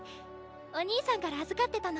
お兄さんから預かってたの。